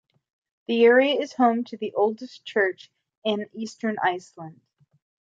The area is home to the oldest church in eastern Iceland.